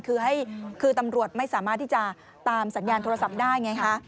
คือตำรวจไม่สามารถที่จะตามสัญญาณโทรศัพท์ได้ไงคะ